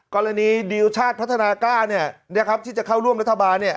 กรณีดิวชาติพัฒนากล้าเนี่ยนะครับที่จะเข้าร่วมรัฐบาลเนี่ย